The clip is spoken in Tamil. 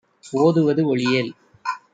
ஓதுவது ஒழியேல்.